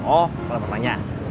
oh kolam berenangnya